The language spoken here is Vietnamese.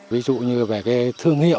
ví dụ như về cái thương hiệu